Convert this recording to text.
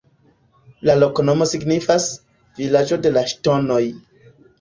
La loknomo signifas: "Vilaĝo de la Ŝtonoj".